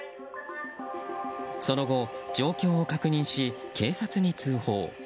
その後、状況を確認し警察に通報。